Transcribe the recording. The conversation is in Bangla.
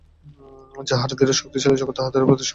যাহারা দৃঢ় এবং শক্তিশালী, জগৎ তাহাদেরই প্রতি সহানুভূতিশীল।